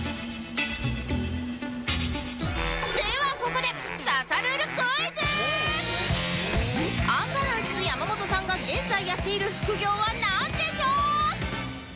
ここでアンバランス山本さんが現在やっている副業はなんでしょう？